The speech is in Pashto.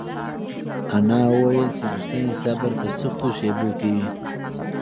انا وویل چې رښتینی صبر په سختو شېبو کې وي.